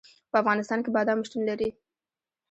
په افغانستان کې بادام شتون لري.